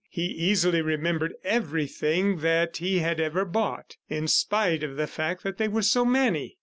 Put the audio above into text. He easily remembered everything that he had ever bought, in spite of the fact that they were so many.